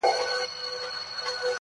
چي مي ستونی په دعا وو ستړی کړی؛